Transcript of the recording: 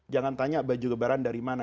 jangan tanya baju lebaran dari mana